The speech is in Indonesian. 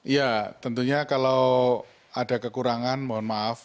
ya tentunya kalau ada kekurangan mohon maaf